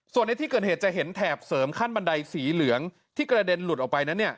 ส่วนในที่เกิดเหตุจะเห็นแถบเสริมขั้นบันไดสีเหลืองที่กระเด็นหลุดออกไปนั้น